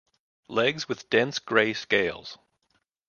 Legs with dense grey scales.